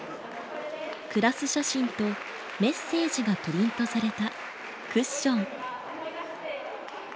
クラス写真とメッセージがプリントされたクッション。